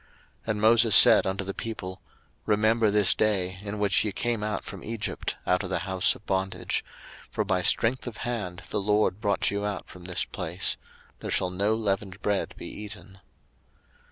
02:013:003 And Moses said unto the people, Remember this day, in which ye came out from Egypt, out of the house of bondage; for by strength of hand the LORD brought you out from this place: there shall no leavened bread be eaten.